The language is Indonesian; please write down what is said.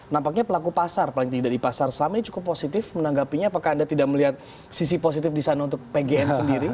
nampaknya pelaku pasar paling tidak di pasar saham ini cukup positif menanggapinya apakah anda tidak melihat sisi positif di sana untuk pgn sendiri